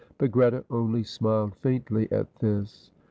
But Greta only smiled faintly at this.